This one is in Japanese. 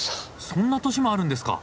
そんな年もあるんですか！？